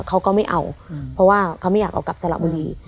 เขาก็ไม่เอาเพราะว่าเขาไม่อยากเอากลับสระบุรี